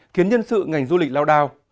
khiến nhân sự ngành du lịch lao đao